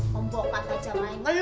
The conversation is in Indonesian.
pembokat aja main